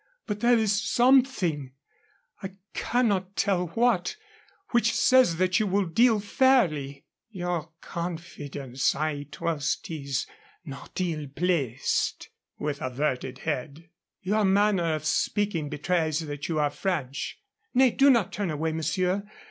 But there is something I cannot tell what which says that you will deal fairly." "Your confidence, I trust, is not ill placed," with averted head. "Your manner of speaking betrays that you are French. Nay, do not turn away, monsieur.